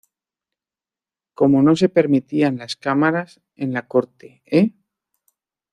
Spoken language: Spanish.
Como no se permitían las cámaras en la corte, E!